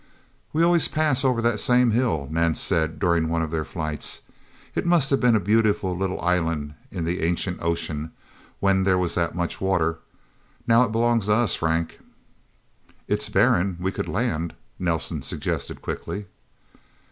"We always pass over that same hill," Nance said during one of their flights. "It must have been a beautiful little island in the ancient ocean, when there was that much water. Now it belongs to us, Frank." "It's barren we could land," Nelsen suggested quickly.